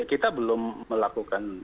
kita belum melakukan